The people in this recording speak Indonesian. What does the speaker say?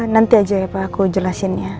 nanti aja ya pak aku jelasinnya